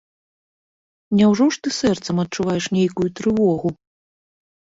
Няўжо ж ты сэрцам адчуваеш нейкую трывогу?